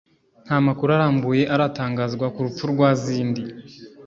Nta makuru arambuye aratangazwa ku rupfu rwa Zindzi